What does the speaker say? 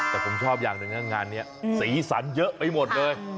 แต่ผมชอบอย่างหนึ่งนะงานนี้สีสันเยอะไปหมดเลย